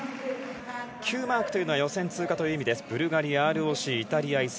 Ｑマークというのは予選通過という意味です。